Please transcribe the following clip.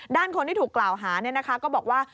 ด้านคนที่ถูกกล่าวหาเนี่ยนะคะก็บอกว่า